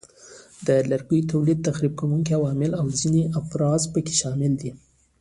د لرګیو تولید، تخریب کوونکي عوامل او ځینې افزار پکې شامل دي.